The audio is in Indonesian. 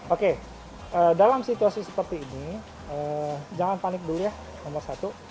oke dalam situasi seperti ini jangan panik dulu ya nomor satu